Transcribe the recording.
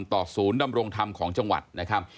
ศูนย์ดำรงธรรมของจังหวัดนะครับ